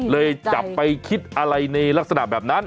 จับไปคิดอะไรในลักษณะแบบนั้น